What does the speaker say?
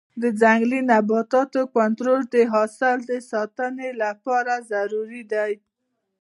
د ځنګلي نباتاتو کنټرول د حاصل د ساتنې لپاره ضروري دی.